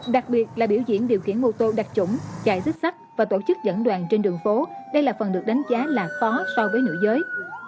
đặc biệt là biểu diễn điều khiển mô tô đặc trủng chạy xích sắt và tổ chức dẫn đoàn trên đường phố đây là phần được đánh giá là khó so với nữ giới